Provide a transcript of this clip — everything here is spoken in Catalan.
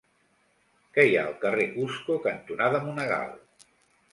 Què hi ha al carrer Cusco cantonada Monegal?